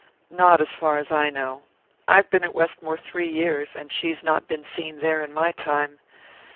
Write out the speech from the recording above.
"Not as far as I know. I've been at Westmore three years, and she's not been seen there in my time.